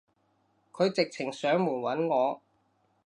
佢直情上門搵我